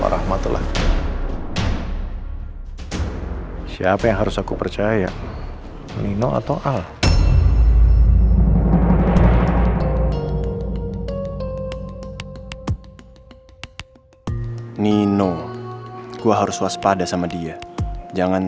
rahmatlah siapa yang harus aku percaya nino atau al nino gua harus waspada sama dia jangan